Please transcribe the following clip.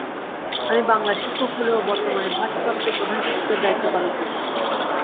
আমি বাংলার শিক্ষক হলেও বর্তমানে ভারপ্রাপ্ত প্রধান শিক্ষকের দায়িত্ব পালন করছি।